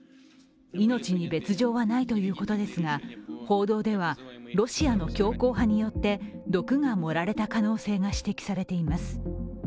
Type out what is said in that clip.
命に別状はないということですが報道ではロシアの強硬派によって毒が盛られた可能性が指摘されています。